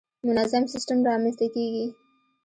منظم سیستم رامنځته کېږي.